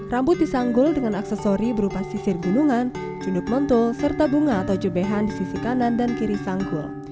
rambut disanggul dengan aksesori berupa sisir gunungan junduk mentul serta bunga atau jebehan di sisi kanan dan kiri sanggul